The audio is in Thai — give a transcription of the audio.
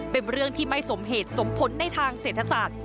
เป็นเรื่องที่ไม่สมเหตุสมผลในทางเศรษฐศาสตร์